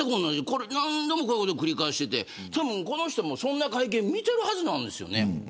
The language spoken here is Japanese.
これ何度も繰り返していてこの人もそんな会見見ているはずなんですよね。